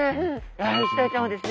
イシダイちゃんはですね